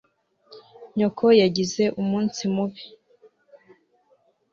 Nyoko yagize umunsi mubi.